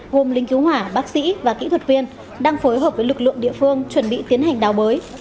gồm lính cứu hỏa bác sĩ và kỹ thuật viên đang phối hợp với lực lượng địa phương chuẩn bị tiến hành đào bới